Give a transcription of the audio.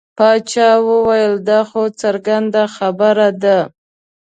باچا وویل دا خو څرګنده خبره ده.